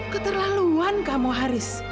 keterlaluan kamu haris